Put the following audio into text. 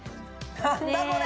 何だこれ？